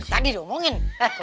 tadi udah omongin